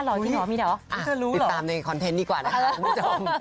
อ๋อรอที่น้องมีเดี๋ยวติดตามในคอนเทนต์ดีกว่านะครับคุณผู้ชม